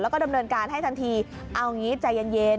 แล้วก็ดำเนินการให้ทันทีเอางี้ใจเย็น